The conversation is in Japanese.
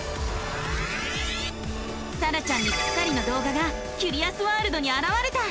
さらちゃんにぴったりの動画がキュリアスワールドにあらわれた！